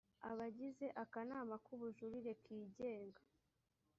abagize akanama k’ubujurire kigenga